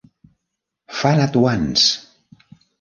"Fun At Once!